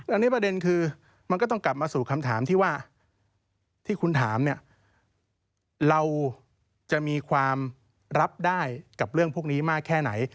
อันนี้ประเด็นคือมันก็ต้องกลับมาสู่คำถามที่ว่าที่คุณถามเนี่ยเราจะมีความรับได้กับเรื่องพวกนี้มากแค่ไหน